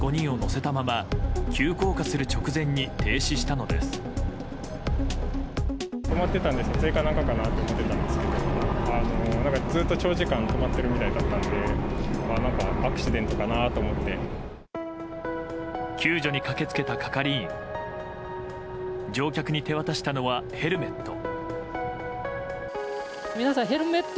乗客に手渡したのはヘルメット。